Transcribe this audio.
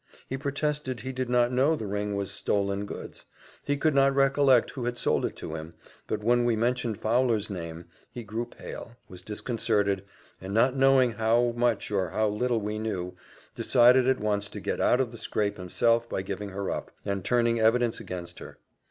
He protested he did not know the ring was stolen goods he could not recollect who had sold it to him; but when we mentioned Fowler's name, he grew pale, was disconcerted, and not knowing how much or how little we knew, decided at once to get out of the scrape himself by giving her up, and turning evidence against her.